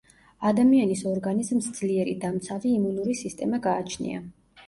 ადამიანის ორგანიზმს ძლიერი დამცავი იმუნური სისტემა გააჩნია.